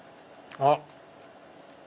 あっ！